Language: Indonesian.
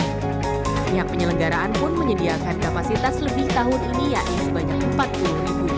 pihak penyelenggaraan pun menyediakan kapasitas lebih tahun ini yakni sebanyak empat puluh ribu